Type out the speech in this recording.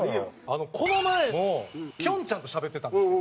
この前もきょんちゃんとしゃべってたんですよ。